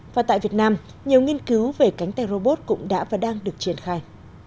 và tại việt nam nhiều nghiên cứu về cánh tay robot cũng đã và đang được triển khai